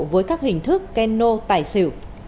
với các hình thức keno tài xỉu